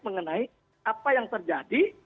mengenai apa yang terjadi